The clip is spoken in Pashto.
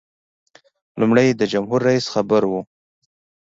لومړی د جمهور رئیس خبر و.